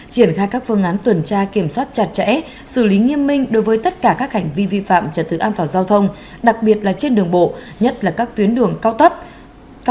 triển khai các phương án tuần tra kiểm soát chặt chẽ xử lý nghiêm minh đối với tất cả các hành vi vi phạm trật tự an toàn giao thông đặc biệt là trên đường bộ nhất là các tuyến đường cao tốc